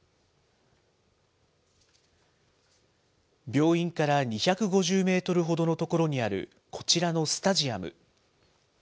病院から２５０メートルほどの所にあるこちらのスタジアム。